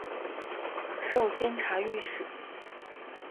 授监察御史。